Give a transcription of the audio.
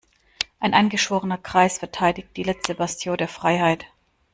Ein eingeschworener Kreis verteidigt die letzte Bastion der Freiheit.